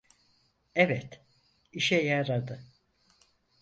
Evet, işe yaradı.